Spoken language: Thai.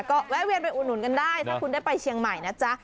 ก็แวะเวียนไปอุดหนุนกันได้ถ้าคุณได้ไปเชียงใหม่นะจ๊ะ